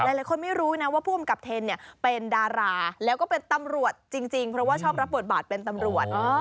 หลายคนไม่รู้นะว่าผู้อำกับเทนเนี่ยเป็นดาราแล้วก็เป็นตำรวจจริงเพราะว่าชอบรับบทบาทเป็นตำรวจ